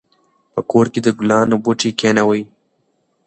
په کور کې د ګلانو بوټي کېنوو.